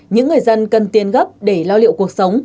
những người dân cần tiền gấp để lo liệu cuộc sống